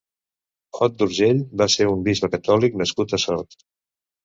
Ot d'Urgell va ser un bisbe catòlic nascut a Sort.